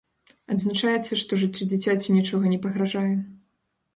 Адзначаецца, што жыццю дзіцяці нічога не пагражае.